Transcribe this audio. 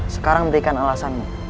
sekarang memberikan alasanmu